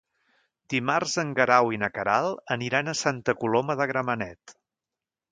Dimarts en Guerau i na Queralt aniran a Santa Coloma de Gramenet.